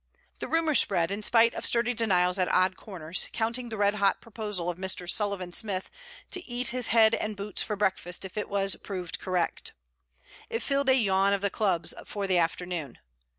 The rumour spread in spite of sturdy denials at odd corners, counting the red hot proposal of Mr. Sullivan Smith to eat his head and boots for breakfast if it was proved correct. It filled a yawn of the Clubs for the afternoon.